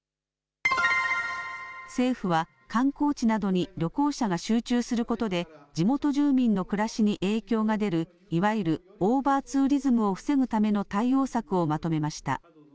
政府は、観光地などに旅行者が集中することで、地元住民の暮らしに影響が出る、いわゆるオーバーツーリズムを防ぐための対応策をまとめました。